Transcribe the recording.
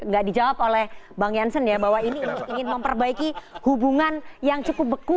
nggak dijawab oleh bang jansen ya bahwa ini ingin memperbaiki hubungan yang cukup beku